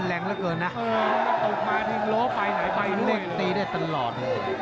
รวมตีได้ตลอด